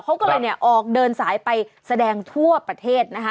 เขาก็เลยเนี่ยออกเดินสายไปแสดงทั่วประเทศนะคะ